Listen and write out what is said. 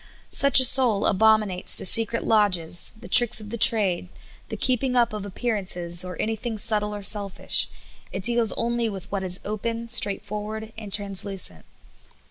Such a soul abominates the secret lodges, the tricks of trade, the keeping up of appearances, or anything subtle or selfish ; it deals only with what is open, straightfor ward, and translucent.